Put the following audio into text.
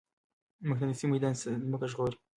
مقناطيسي ميدان ځمکه ژغوري.